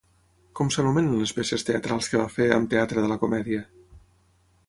Com s'anomenen les peces teatrals que va fer amb Teatre de la Comèdia?